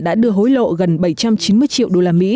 đã đưa hối lộ gần bảy trăm chín mươi triệu đô la mỹ